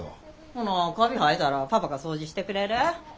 ほなカビ生えたらパパが掃除してくれる？